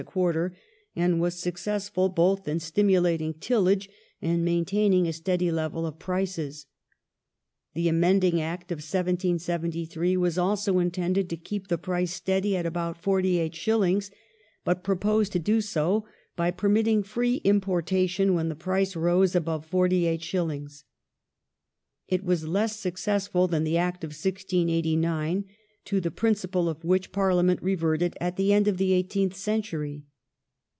a quarter, and was successful both in stimulating tillage and main taining a steady level of prices. The amending Act of 1773 was also intended to keep the price steady at about 48s., but proposed to do it by permitting free importation when the price rose above 48s. It was less successful than the Act of 1689, to the principle of which Parliament reverted at the end of the eighteenth century.